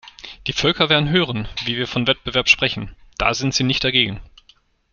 Die Völker werden hören, wie wir von Wettbewerb sprechen, da sind sie nicht dagegen.